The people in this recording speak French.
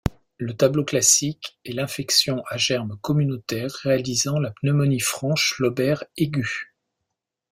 Le tableau classique est l'infection à germe communautaire réalisant la pneumonie franche lobaire aiguë.